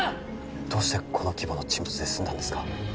どうしてこの規模の沈没で済んだんですか？